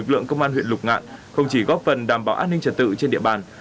trên địa bàn nhưng cũng góp phần đảm bảo an ninh trật tự trên địa bàn